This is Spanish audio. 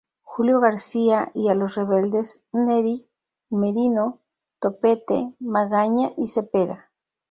Julio García y a los rebeldes Neri, Merino, Topete, Magaña y Zepeda.